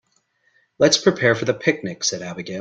"Let's prepare for the picnic!", said Abigail.